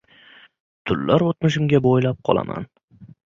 Tunlar o‘tmishimga bo‘ylab qolaman